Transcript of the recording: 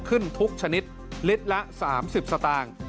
ขึ้นทุกชนิดลิตรละ๓๐สตางค์